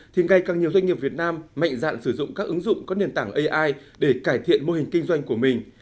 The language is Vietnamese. thì ngày càng nhiều doanh nghiệp việt nam mạnh dạn sử dụng các ứng dụng có nền tảng ai để cải thiện mô hình kinh doanh của mình